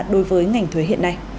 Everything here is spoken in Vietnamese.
đối với ngành thuế hiện nay